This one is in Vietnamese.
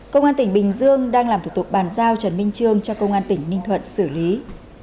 công an tỉnh bình dương đang làm thủ tục bàn giao trần minh trương cho công an tỉnh ninh thuận xử lý